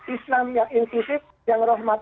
islam yang inklusif yang rohmat